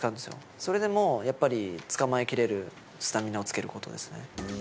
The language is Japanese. それでもやっぱりつかまえきれるスタミナをつけることですね。